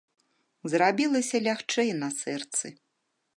Зрабілася лягчэй на сэрцы.